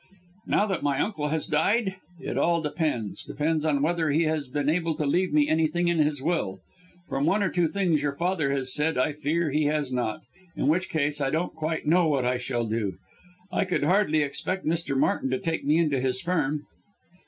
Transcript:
"Now that my uncle has died? It all depends depends on whether he has been able to leave me anything in his will. From one or two things your father has said I fear he has not in which case I don't quite know what I shall do. I could hardly expect Mr. Martin to take me into his firm."